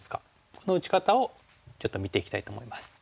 この打ち方をちょっと見ていきたいと思います。